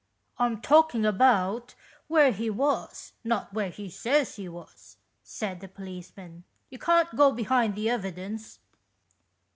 I'm talking about where he was, not where he says he was," said the policeman. "You can't go behind the evidence."